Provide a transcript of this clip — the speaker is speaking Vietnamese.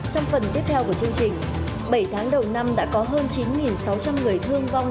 trong phần tiếp theo của chương trình bảy tháng đầu năm đã có hơn chín sáu trăm linh người thương vong